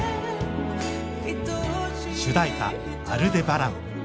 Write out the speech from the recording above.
主題歌「アルデバラン」。